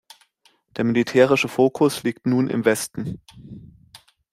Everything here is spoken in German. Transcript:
Der militärische Fokus liegt nun im Westen.